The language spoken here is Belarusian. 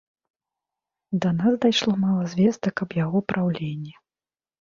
Да нас дайшло мала звестак аб яго праўленні.